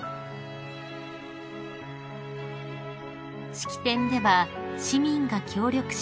［式典では市民が協力し